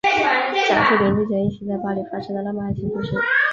讲述林俊杰一起在巴黎发生的浪漫爱情故事。